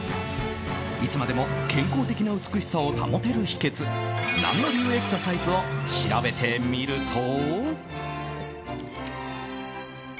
いつまでも健康的な美しさを保てる秘訣ナンノ流エクササイズを調べてみると。